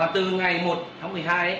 từ ngày một tháng một mươi hai